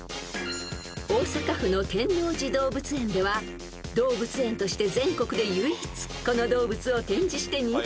［大阪府の天王寺動物園では動物園として全国で唯一この動物を展示して人気に］